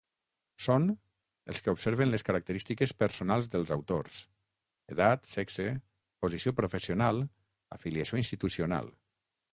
Són els que observen les característiques personals dels autors: edat, sexe, posició professional, afiliació institucional.